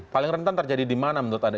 paling rentan terjadi di mana menurut anda